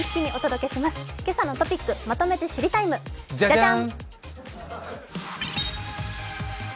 「けさのトピックまとめて知りＴＩＭＥ，」、じゃじゃん。